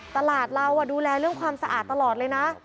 ตลาดเราดูแลเรื่องความสะอาดตลอดเลยนะ